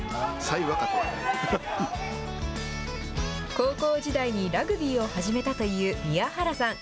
高校時代にラグビーを始めたという宮原さん。